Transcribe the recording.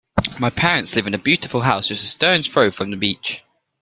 My parents live in a beautiful house just a stone's throw from the beach.